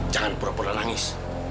jangan pura pura nangis